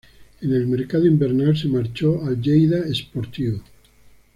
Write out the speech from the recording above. En el mercado invernal se marchó al Lleida Esportiu.